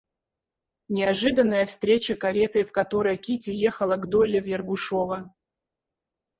Неожиданная встреча кареты, в которой Кити ехала к Долли в Ергушово.